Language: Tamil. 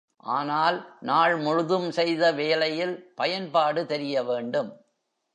ஆனால், நாள் முழுதும் செய்த வேலையில் பயன்பாடு தெரியவேண்டும்.